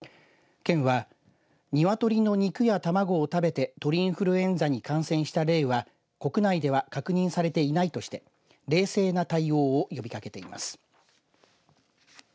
県は鶏の肉や卵を食べて鳥インフルエンザに感染した例は国内では確認されていないとして冷静な対応を呼びかけています。